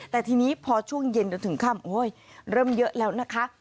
แต่ทีนี้พอช่วงเย็นจนถึงค่ำโอ๊ยเริ่มเยอะแล้วนะคะ